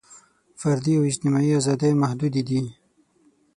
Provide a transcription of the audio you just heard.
فردي او اجتماعي ازادۍ محدودې دي.